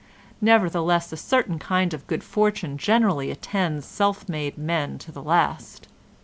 Nevertheless a certain kind of good fortune generally attends self made men to the last.